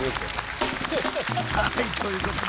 はいということで。